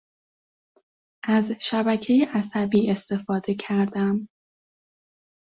از شبکهٔ عصبی استفاده کردم.